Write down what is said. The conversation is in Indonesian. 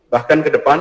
bahkan ke depan